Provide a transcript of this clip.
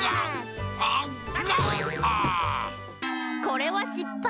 これはしっぱい。